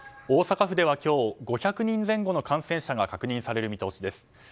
大阪府では今日５００人前後の感染者が確認される見通しです。